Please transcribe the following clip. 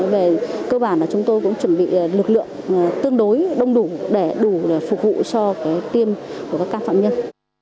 về cơ bản là chúng tôi cũng chuẩn bị lực lượng tương đối đông đủ để đủ để phục vụ cho tiêm của các can phạm nhân